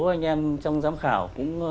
anh em trong giám khảo